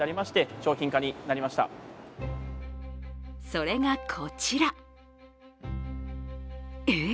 それがこちら、え？